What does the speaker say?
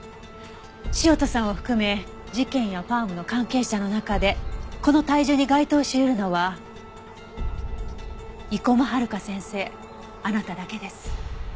潮田さんを含め事件やファームの関係者の中でこの体重に該当し得るのは生駒遥夏先生あなただけです。